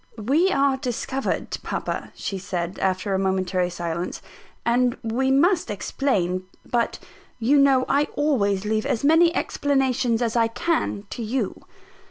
"We are discovered, papa," she said, after a momentary silence, "and we must explain: but you know I always leave as many explanations as I can to you."